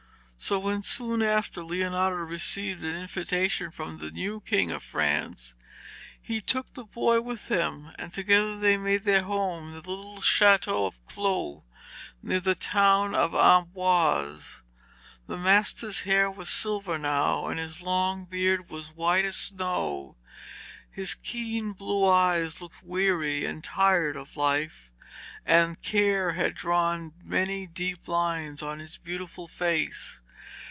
So when, soon after, Leonardo received an invitation from the new King of France, he took the boy with him, and together they made their home in the little chateau of Claux near the town of Amboise. The master's hair was silvered now, and his long beard was as white as snow. His keen blue eyes looked weary and tired of life, and care had drawn many deep lines on his beautiful face.